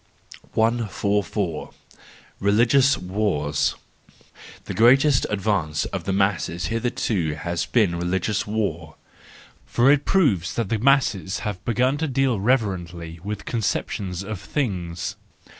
144. Religious Wars .—The greatest advance of the masses hitherto has been religious war, for it proves that the masses have begun to deal reverently with conceptions of things.